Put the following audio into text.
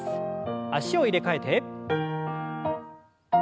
脚を入れ替えて。